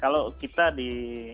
kalau kita di